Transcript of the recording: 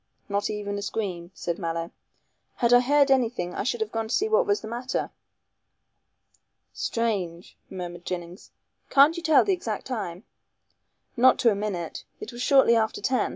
"Not even a scream," said Mallow; "had I heard anything I should have gone to see what was the matter." "Strange!" murmured Jennings, "can't you tell the exact time?" "Not to a minute. It was shortly after ten.